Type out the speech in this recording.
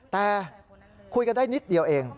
แต่คุยกันได้นิดเดียวเอง